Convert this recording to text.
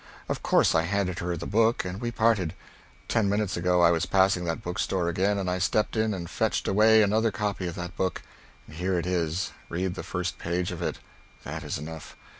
"Of course I handed her the book, and we parted. Ten minutes ago I was passing that bookstore again, and I stepped in and fetched away another copy of that book. Here it is. Read the first page of it. That is enough.